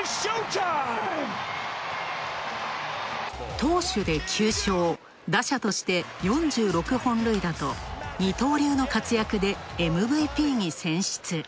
投手で９勝、打者として４６本塁打と二刀流の活躍でＭＶＰに選出。